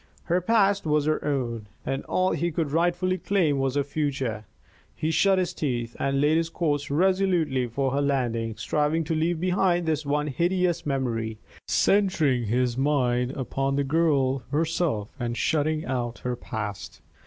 Her past was her own, and all he could rightfully claim was her future. He shut his teeth and laid his course resolutely for her landing, striving to leave behind this one hideous memory, centring his mind upon the girl herself and shutting out her past.